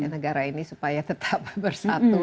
negara ini supaya tetap bersatu